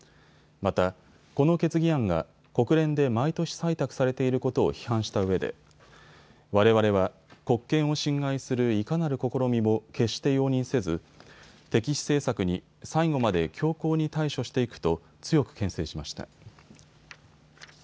また、この決議案が国連で毎年採択されていることを批判したうえでわれわれは国権を侵害するいかなる試みも決して容認せず、敵視政策に最後まで強硬に対処していくと強くけん制しました。